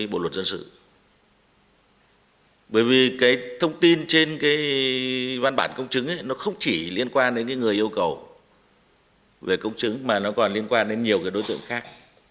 bởi vì cái thông tin trên cái văn bản công chứng ấy nó không chỉ liên quan đến người yêu cầu về công chứng mà nó còn liên quan đến nhiều cái đối tượng khác